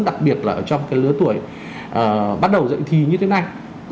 đặc biệt là trong cái lứa tuổi bắt đầu dạy thì như thế này